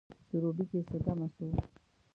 سروبي کښي څه دمه سوو